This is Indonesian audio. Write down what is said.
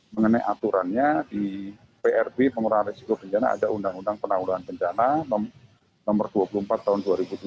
mengenai aturannya di prb pengurangan risiko bencana ada undang undang penanggulan bencana nomor dua puluh empat tahun dua ribu dua